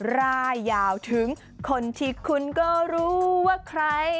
ร่ายยาวถึงคนที่คุณก็รู้ว่าใคร